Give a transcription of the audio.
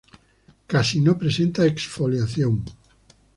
Casi no presenta exfoliación.